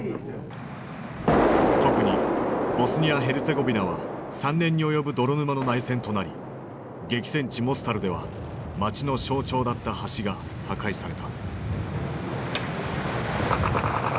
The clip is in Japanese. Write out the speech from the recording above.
特にボスニア・ヘルツェゴビナは３年に及ぶ泥沼の内戦となり激戦地モスタルでは町の象徴だった橋が破壊された。